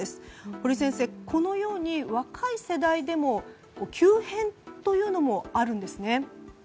堀先生、このように若い世代でも急変というのもあるんですね。